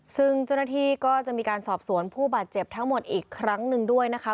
ซึ่งเจ้าหน้าที่ก็จะมีการสอบสวนผู้บาดเจ็บทั้งหมดอีกครั้งหนึ่งด้วยนะคะ